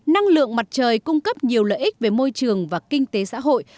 năng lượng mặt trời cung cấp nhiều lợi ích về môi trường và kinh tế xã hội